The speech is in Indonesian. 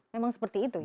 memang seperti itu ya